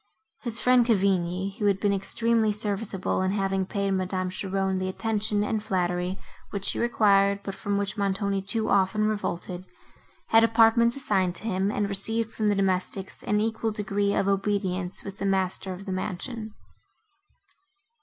His friend Cavigni, who had been extremely serviceable, in having paid Madame Cheron the attention and flattery, which she required, but from which Montoni too often revolted, had apartments assigned to him, and received from the domestics an equal degree of obedience with the master of the mansion.